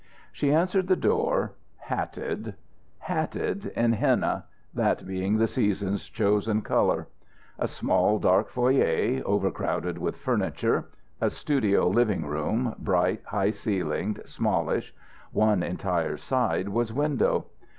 She answered the door hatted; hatted in henna, that being the season's chosen colour. A small dark foyer, overcrowded with furniture; a studio living room, bright, high ceilinged, smallish; one entire side was window.